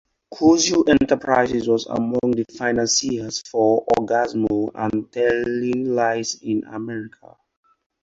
Kuzui Enterprises was among the financiers for "Orgazmo" and "Telling Lies in America".